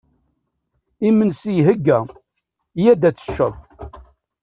Iminsi ihegga, iyya ad teččeḍ!